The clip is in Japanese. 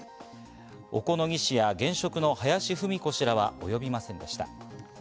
小此木氏や現職の林文子氏らは、及びませんでした。